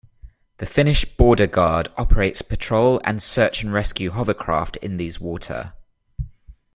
The Finnish Border Guard operates patrol and search-and-rescue hovercraft in these water.